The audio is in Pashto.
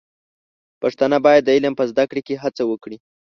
پښتانه بايد د علم په زده کړه کې هڅه وکړي.